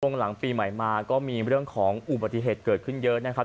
หลังปีใหม่มาก็มีเรื่องของอุบัติเหตุเกิดขึ้นเยอะนะครับ